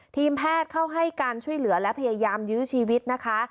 ทีมแพทย์เข้าให้การช่วยเหลือและพยายามยื้อชีวิตนะคะ